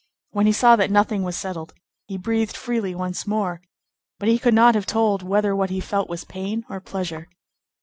When he saw that nothing was settled, he breathed freely once more; but he could not have told whether what he felt was pain or pleasure.